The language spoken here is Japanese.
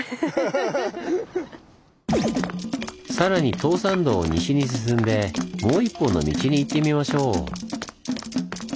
さらに東山道を西に進んでもう一本の道に行ってみましょう。